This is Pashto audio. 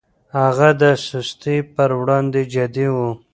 هغه د سستي پر وړاندې جدي و.